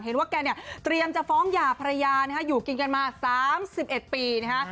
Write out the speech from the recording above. เห็นว่าแกเนี่ยเตรียมจะฟ้องหย่าภรรยานะฮะอยู่กินกันมา๓๑ปีนะฮะ